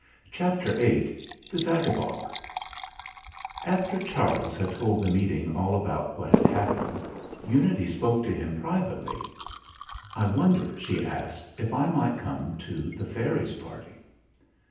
CHAPTER VIII THE ZAGABOG After Charles had told the Meeting all about what had happened, Unity spoke to him pri vately. "I wonder," she asked, "if I might come to the fairies' party